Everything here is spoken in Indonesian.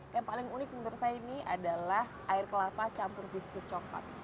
yang paling unik menurut saya ini adalah air kelapa campur biskuit coklat